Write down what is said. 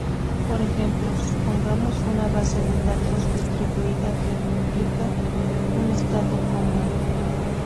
Por ejemplo: supongamos una base de datos distribuida que replica un estado común.